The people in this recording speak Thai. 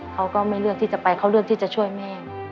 เขาก็ไม่เลือกที่จะไปเขาเลือกที่จะช่วยแม่